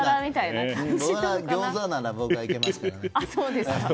ギョーザなら僕はいけます。